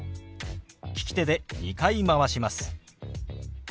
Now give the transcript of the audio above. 利き手で２回回します。